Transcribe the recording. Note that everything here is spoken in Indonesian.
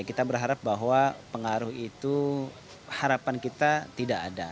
kita berharap bahwa pengaruh itu harapan kita tidak ada